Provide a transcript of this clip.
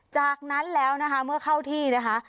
จากนั้นแล้วนะคะเมื่อเข้าที่นะคะ